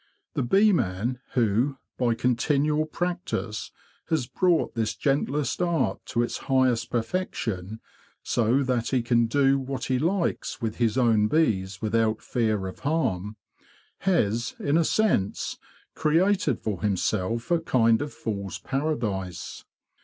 The bee man who, by continual practice, has brought this gentlest art to its highest perfection, so that he can do what he likes with his own bees without fear of harm, has, in a sense, created for himself a kind of fools' paradise.